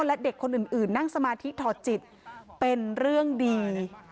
และเด็กคนอื่นนั่งสมาธิถอดจิตเป็นเรื่องดี